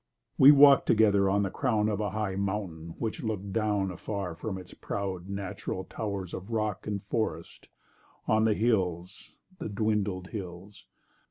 We walk'd together on the crown Of a high mountain which look'd down Afar from its proud natural towers Of rock and forest, on the hills— The dwindled hills!